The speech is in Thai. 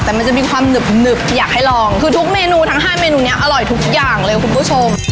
แต่มันจะมีความหนึบอยากให้ลองคือทุกเมนูทั้ง๕เมนูนี้อร่อยทุกอย่างเลยคุณผู้ชม